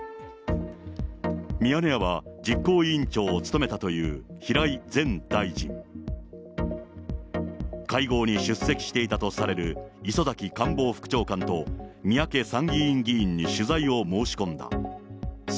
ミヤネ屋は実行委員長を務めたという平井前大臣、会合に出席していたとされる磯崎官房副長官と、三宅参議院議員に取材を申し込んだ。